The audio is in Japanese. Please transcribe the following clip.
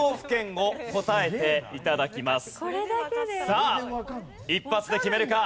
さあ一発で決めるか？